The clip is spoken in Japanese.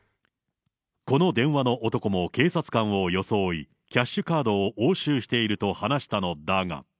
この電話の男も警察官を装い、キャッシュカードを押収していると話したのだが。